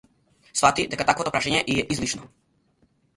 Сфати дека таквото прашање ѝ е излишно.